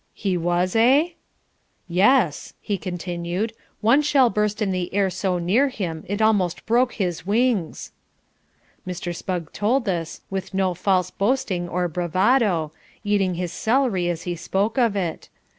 "He was, eh?" "Yes," he continued, "one shell burst in the air so near him it almost broke his wings." Mr. Spugg told this with no false boasting or bravado, eating his celery as he spoke of it.